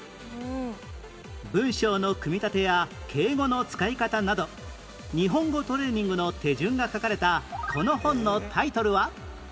文章の組み立てや敬語の使い方など日本語トレーニングの手順が書かれたこの本のタイトルは？